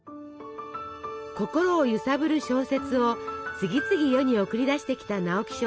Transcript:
心を揺さぶる小説を次々世に送り出してきた直木賞作